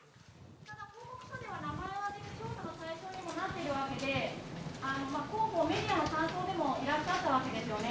報告書では名前を挙げて対象にもなっているわけで広報、メディアの担当でもいらっしゃったわけですよね。